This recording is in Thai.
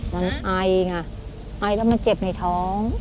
มันไอไงไอแล้วมันเจ็บในท้อง